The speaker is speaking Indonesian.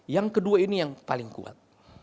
yang kedua ini yang paling kuat